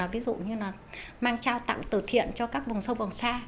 ví dụ như là mang trao tặng từ thiện cho các vùng sâu vòng xa